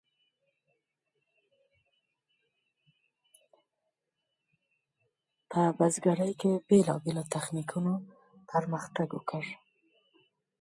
په بزګرۍ کې بیلابیلو تخنیکونو پرمختګ وکړ.